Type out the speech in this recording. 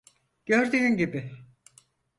Gördüğün gibi…